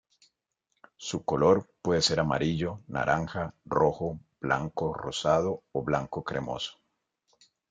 Su color puede ser amarillo, naranja, rojo, blanco rosado o blanco cremoso.